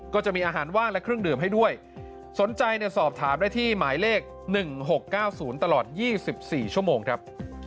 ก็จะมีอาหารว่างและเครื่องดื่มให้ด้วยสนใจสอบถามได้ที่หมายเลข๑๖๙๐ตลอด๒๔ชั่วโมงครับ